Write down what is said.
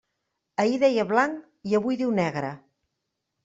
Ahir deia blanc i avui diu negre.